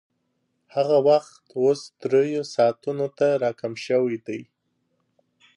هغه وخت اوس درېیو ساعتونو ته راکم شوی دی